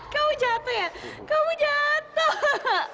kamu jatuh ya kamu jatuh